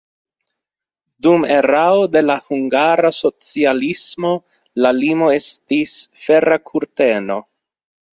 Dum erao de la hungara socialismo la limo estis Fera kurteno.